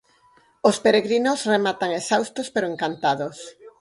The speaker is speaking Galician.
Os peregrinos rematan exhaustos pero encantados.